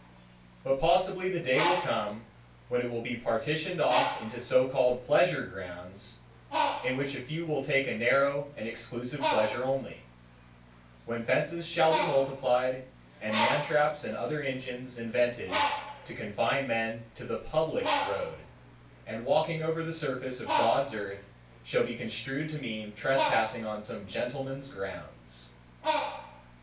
But possibly the day will come when it will be partitioned off into so called pleasure grounds, in which a few will take a narrow and exclusive pleasure only,—when fences shall be multiplied, and man traps and other engines invented to confine men to the public road, and walking over the surface of God's earth shall be construed to mean trespassing on some gentleman's grounds.